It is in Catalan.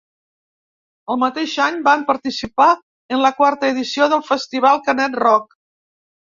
El mateix any van participar en la quarta edició del Festival Canet Rock.